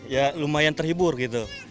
ya lumayan terhibur gitu